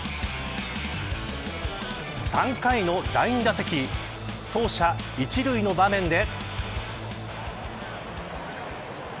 ３回の第２打席走者一塁の場面で。